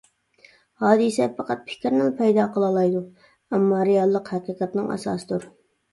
ھادىسە پەقەت پىكىرنىلا پەيدا قىلالايدۇ، ئەمما رېئاللىق ھەقىقەتنىڭ ئاساسىدۇر.